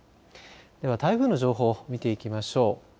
では台風の情報見ていきましょう。